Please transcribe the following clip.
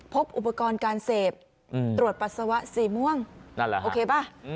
พบอุปกรณ์การเสพตรวจปัสสาวะสี่ม่วงโอเคป่ะ